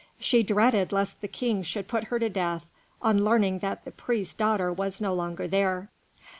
She dreaded lest the King should put her to death on learning that the priest's daughter was no longer there.